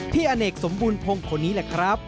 อเนกสมบูรณพงศ์คนนี้แหละครับ